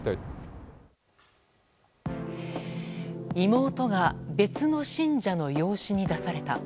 妹が別の信者の養子に出された。